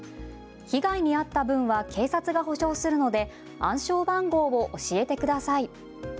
被害に遭った分は警察が補償するので暗証番号を教えてください。